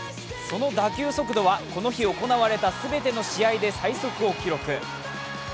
その打球速度はこの日行われた全ての試合で最速を記録。